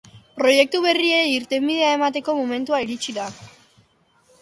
Proiektu berriei irtenbidea emateko momentua iritsi da.